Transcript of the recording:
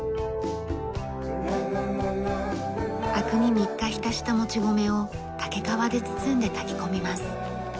灰汁に３日浸したもち米を竹皮で包んで炊き込みます。